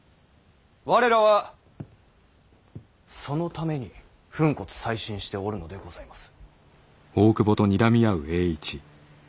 我らはそのために粉骨砕身しておるのでございます。